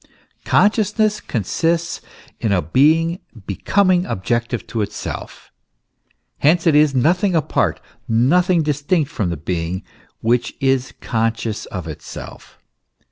Consciousness consists in a being becoming objective to itself; hence it is nothing apart, nothing distinct from the being which is conscious of itself.